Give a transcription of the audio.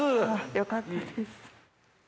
よかったです。